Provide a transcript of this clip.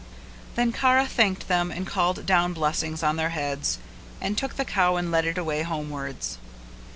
Then Kara thanked them and called down blessings on their heads and took the cow and led it away homewards.